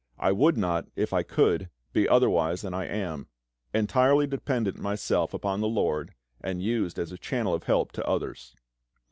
I would not, if I could, be otherwise than I am entirely dependent myself upon the LORD, and used as a channel of help to others.